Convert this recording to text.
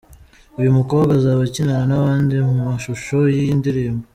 Uyu mukobwa azaba akinana n'abandi mu mashusho y'iyi ndirimbo.